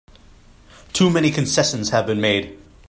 Too many concessions have been made!